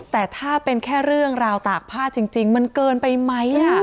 แต่ถ้าเป็นแค่เรื่องราวตากผ้าจริงมันเกินไปไหม